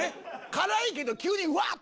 辛いけど急にワッ！